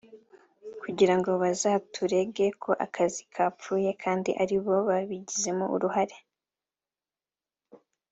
kugira ngo bazaturege ko akazi kapfuye kandi ari bo babigizemo uruhare